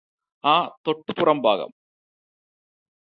ആ തൊട്ടുപുറം ഭാഗം